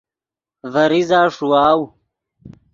ڤے ریزہ ݰیواؤ